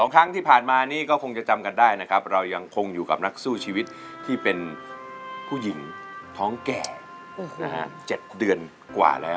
๒ครั้งที่ผ่านมานี้ก็คงจะจำกันได้นะครับเรายังคงอยู่กับนักสู้ชีวิตที่เป็นผู้หญิงท้องแก่๗เดือนกว่าแล้ว